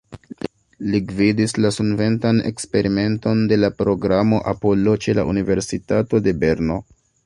Li gvidis la sunventan eksperimenton de la programo Apollo ĉe la Universitato de Berno.